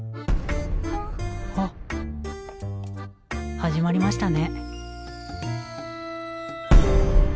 始まりましたね。